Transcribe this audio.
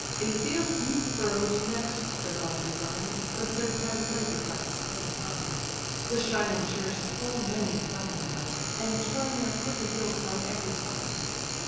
A field deep furrow'd next the god design'd, The third time labour'd by the sweating hind; The shining shares full many ploughmen guide, And turn their crooked yokes on every side.